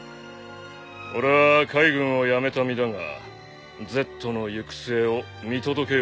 俺は海軍を辞めた身だがＺの行く末を見届けようと思う。